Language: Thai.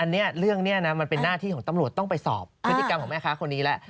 อันนี้เรื่องนี้นะมันเป็นหน้าที่ของตำรวจต้องไปสอบพฤติกรรมของแม่ค้าคนนี้แล้ว